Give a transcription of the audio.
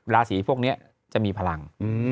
ราศีพวกนี้จะมีพลัง